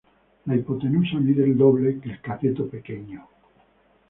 La hipotenusa mide el doble que el cateto pequeño.